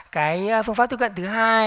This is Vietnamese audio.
cái phương pháp tiếp cận thứ hai